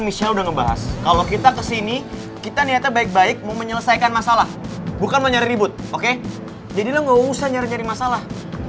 jadi lo gak usah nyari nyari masalah kalau kita kesini kita niatnya baik baik mau menyelesaikan masalah bukan mencari ribut oke jadilah gak usah nyari nyari masalah